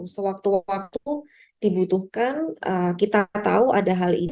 sewaktu waktu dibutuhkan kita tahu ada hal ini